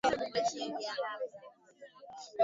Kijiji ambacho kilichodharauliwa na Wagalilaya pia